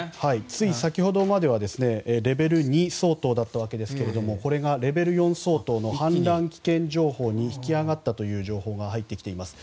つい先ほどまでレベル２相当でしたがこれがレベル４相当の氾濫危険情報に引き上がったという情報が入ってきています。